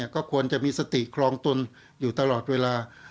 ก็ควรจะมีสติครองตนอยู่ตลอดเวลา